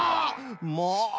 もう！